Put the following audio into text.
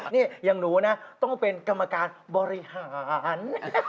นี่อย่างหนูนะต้องเป็นกรรมการบริหาร